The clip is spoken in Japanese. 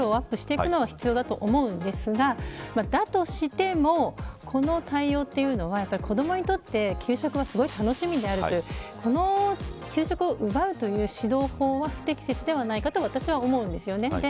フォローアップしていくのは必要だと思いますがだとしてもこの対応は、子どもにとって給食は楽しみであるというその給食を奪うという指導法は不適切ではないかと思うんです。